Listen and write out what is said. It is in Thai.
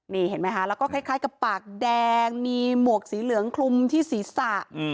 นี่เห็นไหมคะแล้วก็คล้ายกับปากแดงมีหมวกสีเหลืองคลุมที่ศีรษะ